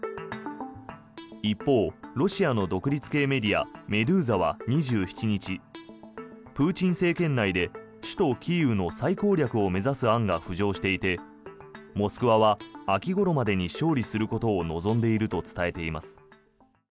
一方、ロシアの独立系メディアメドゥーザは２７日プーチン政権内で首都キーウの再攻略を目指す案が浮上していてモスクワは秋ごろまでに勝利することを望んでいると伝えています。